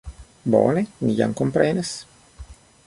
Bone, mi jam komprenas.